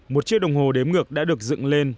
một chiếc đồng hồ đếm ngược đã được dựng lên